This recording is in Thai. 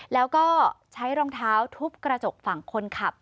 แล้วก็ใช้รองเท้าทุบกระจกฝั่งคนขับ